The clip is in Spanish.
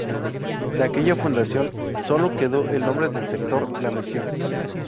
De aquella fundación solo quedó el nombre del sector La Misión.